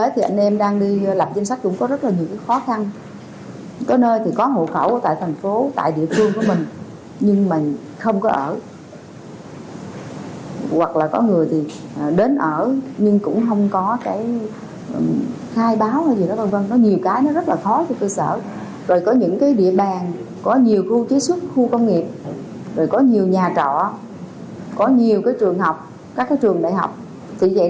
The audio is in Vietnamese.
trên th aslinda anh em đang đi làm danh sách có rất là nhiều khó khăn